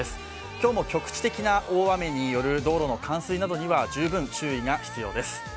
今日も局地的な大雨による道路の冠水などには十分注意が必要です。